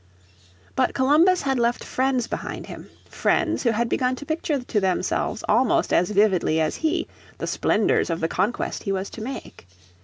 But Columbus had left friends behind him, friends who had begun to picture to themselves almost as vividly as he the splendours of the conquest he was to make.